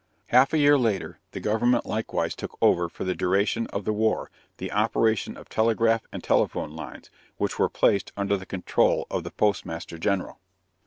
Half a year later, the government likewise took over, for the duration of the war, the operation of telegraph and telephone lines, which were placed under the control of the Postmaster General.